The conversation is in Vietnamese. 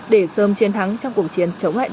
để sớm chiến thắng trong cuộc chiến chống lại đại dịch